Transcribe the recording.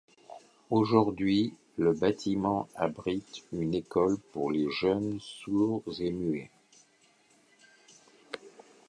Aujourd'hui, le bâtiment abrite une école pour les jeunes sourds et muets.